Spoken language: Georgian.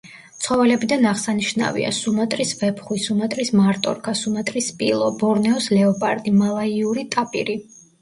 ცხოველებიდან აღსანიშნავია: სუმატრის ვეფხვი, სუმატრის მარტორქა, სუმატრის სპილო, ბორნეოს ლეოპარდი, მალაიური ტაპირი.